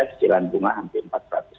kecilan bunga hampir empat ratus